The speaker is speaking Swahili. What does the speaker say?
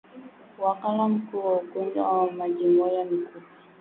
Wakala mkuu wa ugonjwa wa majimoyo ni kupe